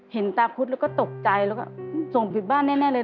เห็นตาพุทธแล้วก็ตกใจแล้วก็ส่งผิดบ้านแน่เลย